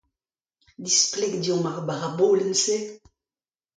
Displeg deomp ar barabolenn-se.